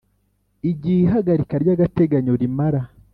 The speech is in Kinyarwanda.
Igihe ihagarika ry’agateganyo rimara